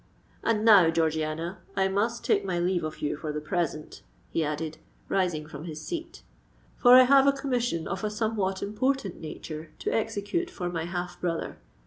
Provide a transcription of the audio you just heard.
"And now, Georgiana, I must take my leave of you for the present," he added, rising from his seat: "for I have a commission of a somewhat important nature to execute for my half brother.